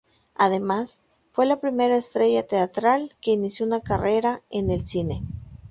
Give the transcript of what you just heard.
Además, fue la primera estrella teatral que inició una carrera en el cine.